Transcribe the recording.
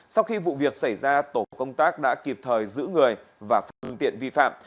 sau khi vụ việc xảy ra tổ công tác đã kịp thời giữ người và phương tiện vi phạm